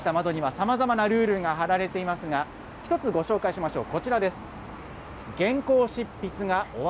通りに面した窓には、さまざまなルールが貼られていますが、一つご紹介しましょう。